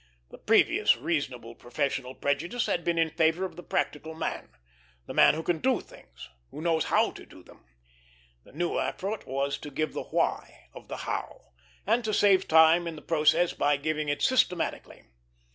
The previous reasonable professional prejudice had been in favor of the practical man, the man who can do things who knows how to do them; the new effort was to give the "why" of the "how," and to save time in the process by giving it systematically.